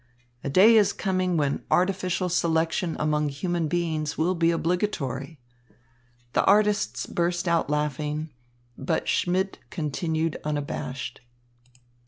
A day is coming when artificial selection among human beings will be obligatory." The artists burst out laughing, but Schmidt continued unabashed.